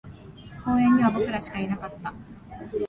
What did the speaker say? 公園には僕らしかいなかった